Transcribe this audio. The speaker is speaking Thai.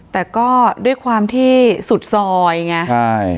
แต่ก็ด้วยความที่สุดซอยไงใช่